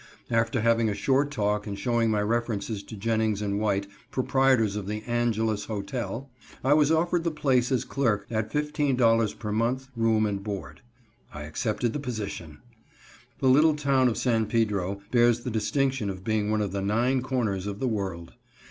After having a short talk and showing my references to Jennings and White, proprietors of the Angelus Hotel, I was offered the place as clerk at $15.00 per month, board and room. I accepted the position. The little town of San Pedro bears the distinction of being one of the nine corners of the world.